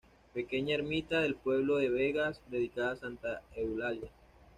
Pequeña ermita del pueblo de Begas dedicada a Santa Eulalia.